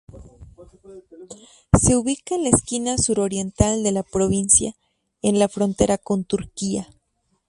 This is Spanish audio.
Se ubica en la esquina suroriental de la provincia, en la frontera con Turquía.